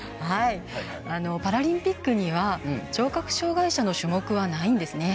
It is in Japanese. パラリンピックには聴覚障がい者の種目はないんですね。